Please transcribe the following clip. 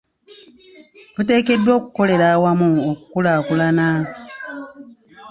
Tuteekeddwa okukolera awamu okukulaakulana.